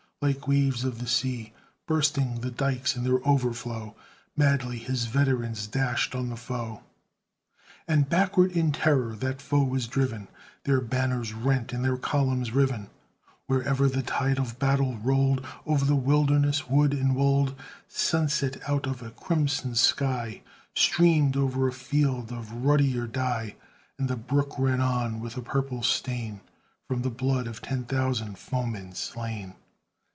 Like waves of the sea, Bursting the dikes in their overflow, Madly his veterans dashed on the foe. And backward in terror that foe was driven, Their banners rent and their columns riven, Wherever the tide of battle rolled Over the Wilderness, wood and wold. Sunset out of a crimson sky Streamed o'er a field of ruddier dye, And the brook ran on with a purple stain, From the blood of ten thousand foemen slain.